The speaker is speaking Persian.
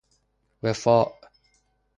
وفاء